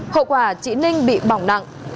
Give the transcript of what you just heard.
hậu quả chị ninh bị bỏng nặng